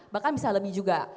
bahkan bisa lebih juga